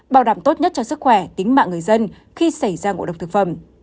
bảo đảm tốt nhất cho sức khỏe tính mạng người dân khi xảy ra ngộ độc thực phẩm